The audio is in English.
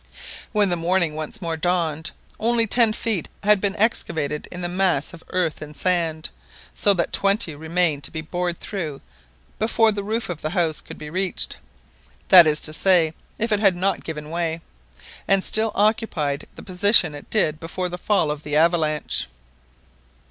When the morning once more dawned, only ten feet had been excavated in the mass of earth and sand, so that twenty remained to be bored through before the roof of the house could be reached, that is to say, if it had not given way, and still occupied the position it did before the fall of the avalanche.